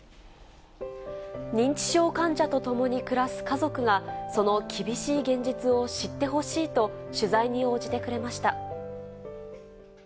認知症患者と共に暮らす家族が、その厳しい現実を知ってほしいと、取材に応じてくれました。